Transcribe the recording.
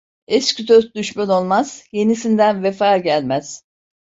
Eski dost düşman olmaz, yenisinden vefa gelmez.